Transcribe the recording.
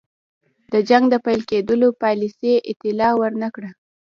د جنګ د پیل کېدلو پالیسۍ اطلاع ور نه کړه.